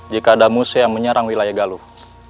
jika ada muse yang menyerang wilayah galuh